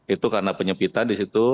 itu karena penyempitan di situ